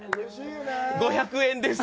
５００円です。